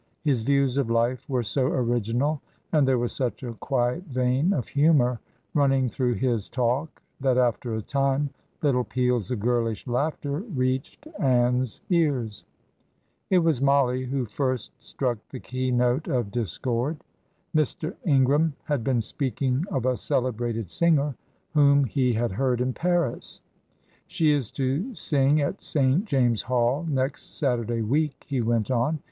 His views of life were so original, and there was such a quiet vein of humour running through his talk that, after a time, little peals of girlish laughter reached Ann's ears. It was Mollie who first struck the key note of discord. Mr. Ingram had been speaking of a celebrated singer whom he had heard in Paris. "She is to sing at St. James' Hall next Saturday week," he went on.